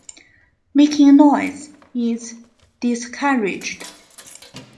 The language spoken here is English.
Making noise is discouraged.